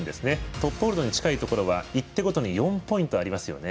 トップホールドに近いところは１手ごとに４ポイントありますよね。